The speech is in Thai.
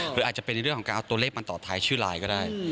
หรืออาจจะเป็นในเรื่องของการเอาตัวเลขมาต่อท้ายชื่อไลน์ก็ได้